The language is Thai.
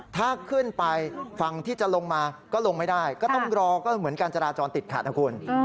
ถ้าขึ้นไปฝั่งที่จะลงมาก็ลงไม่ได้ก็ต้องรอก็เหมือนการจราจรติดขัดนะคุณ